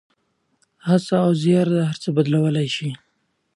هڅه او زیار هر څه بدلولی شي.